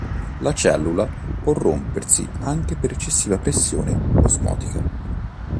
La cellula può rompersi anche per eccessiva pressione osmotica.